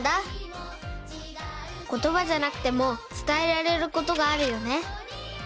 ことばじゃなくてもつたえられることがあるよね。